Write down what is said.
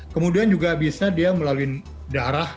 kemudian juga bisa dia melalui darah